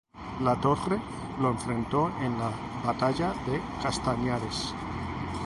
Latorre lo enfrentó en la batalla de Castañares.